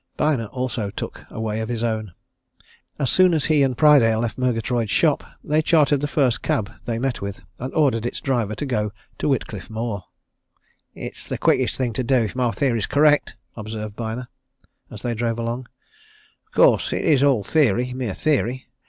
Byner also took a way of his own. As soon as he and Prydale left Murgatroyd's shop, they chartered the first cab they met with, and ordered its driver to go to Whitcliffe Moor. "It's the quickest thing to do if my theory's correct," observed Byner, as they drove along, "Of course, it is all theory mere theory!